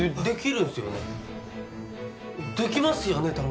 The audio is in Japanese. できますよね